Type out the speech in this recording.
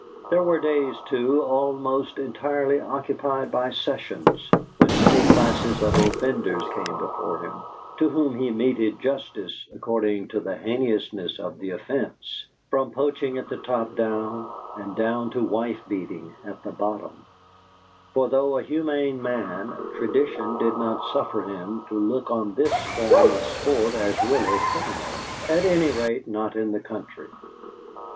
There were days, too, almost entirely occupied by sessions, when many classes of offenders came before him, to whom he meted justice according to the heinousness of the offence, from poaching at the top down and down to wife beating at the bottom; for, though a humane man, tradition did not suffer him to look on this form of sport as really criminal at any rate, not in the country.